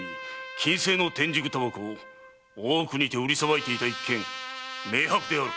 禁制の天竺煙草を大奥にて売りさばいていた一件明白である！